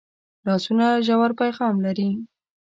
لاسونه ژور پیغام لري